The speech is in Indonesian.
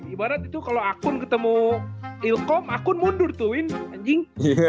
ibarat itu kalau akun ketemu ilkom akun mundur tuh win anjing